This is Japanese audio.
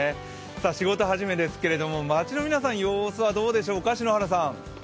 仕事始めですけど、街の皆さん様子はどうでしょうか？